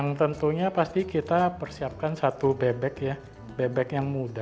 yang tentunya pasti kita persiapkan satu bebek ya bebek yang muda